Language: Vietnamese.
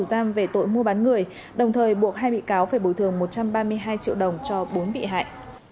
giam về tội mua bán người đồng thời buộc hai bị cáo phải bồi thường một trăm ba mươi hai triệu đồng cho bốn bị hại